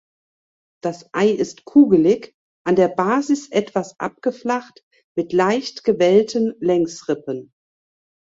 Das Ei ist kugelig, an der Basis etwas abgeflacht mit leicht gewellten Längsrippen.